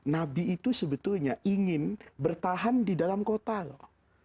nabi itu sebetulnya ingin bertahan di dalam kota loh